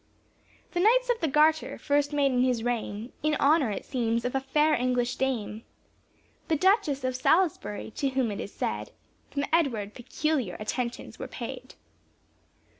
The knights of the Garter, first made in his reign In honor it seems of a fair English dame, The Duchess of Salisbury to whom it is said, From Edward peculiar attentions were paid.